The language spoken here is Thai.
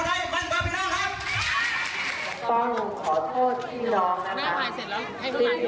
และต้องนั่งกับพื้นทะนดแบบนี้